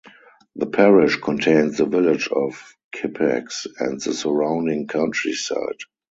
The parish contains the village of Kippax and the surrounding countryside.